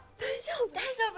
大丈夫？